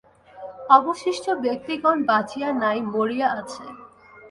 অবশিষ্ট ব্যক্তিগণ বাঁচিয়া নাই, মরিয়া আছে।